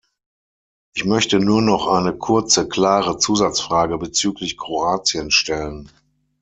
Ich möchte nur noch eine kurze, klare Zusatzfrage bezüglich Kroatien stellen.